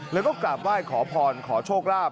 แล้วก็กราบไหว้ขอพรขอโชคลาภ